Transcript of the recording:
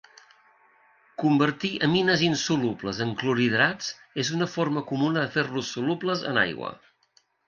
Convertir amines insolubles en clorhidrats és una forma comuna de fer-los solubles en aigua.